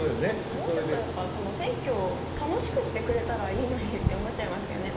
もうちょっと選挙を楽しくしてくれたらいいのにと思っちゃいますけどね。